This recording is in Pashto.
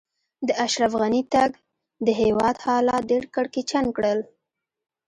د اشرف غني تګ؛ د هېواد حالات ډېر کړکېچن کړل.